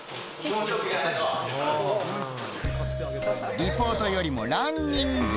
リポートよりもランニング。